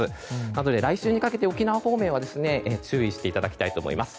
なので来週にかけて沖縄方面は注意していただきたいと思います。